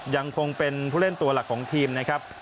ยังคงเป็นผู้เล่นตัวหลักของทีมนะครับ